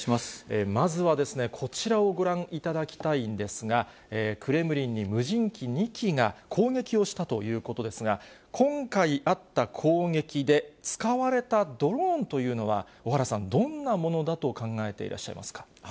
まずはこちらをご覧いただきたいんですが、クレムリンに無人機２機が攻撃をしたということですが、今回あった攻撃で使われたドローンというのは、小原さん、どんなものだと考えていらっしゃいますか。